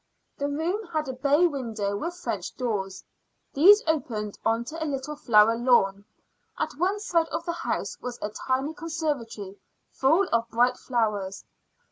The room had a bay window with French doors; these opened on to a little flower lawn. At one side of the house was a tiny conservatory full of bright flowers.